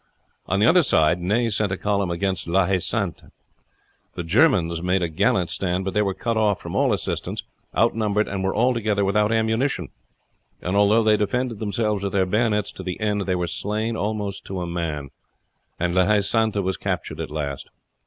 On the other side Ney sent a column against La Haye Sainte. The Germans made a gallant stand; but they were cut off from all assistance, outnumbered, and were altogether without ammunition; and although they defended themselves with their bayonets to the end, they were slain almost to a man, and La Haye Sainte was captured at last.